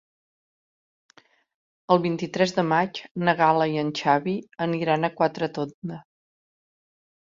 El vint-i-tres de maig na Gal·la i en Xavi aniran a Quatretonda.